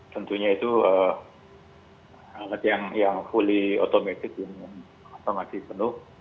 tentunya itu alat yang fully automatic yang masih penuh